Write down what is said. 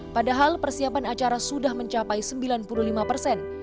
padahal persiapan acara sudah mencapai sembilan puluh lima persen